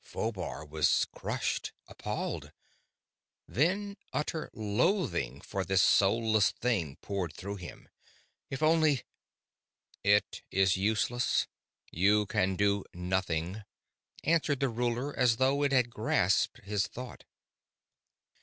Phobar was crushed, appalled, then utter loathing for this soulless thing poured through him. If only "It is useless. You can do nothing," answered the ruler as though it had grasped his thought.